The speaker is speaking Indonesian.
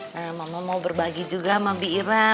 nah mama mau berbagi juga sama bi irah